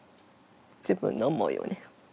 自分の思いをね。